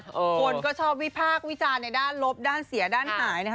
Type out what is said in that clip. คนก็ชอบวิพากษ์วิจารณ์ในด้านลบด้านเสียด้านหายนะคะ